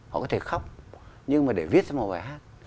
họ có thể khóc nhưng mà để viết ra một bài hát